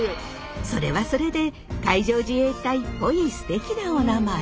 それはそれで海上自衛隊っぽいすてきなおなまえ！